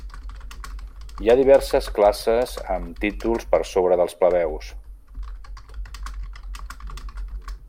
Hi ha diverses classes amb títols per sobre dels plebeus.